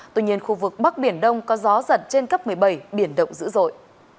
tuy nhiên khu vực bắc biển đông có gió giật trên cấp một mươi bảy biển động dữ dội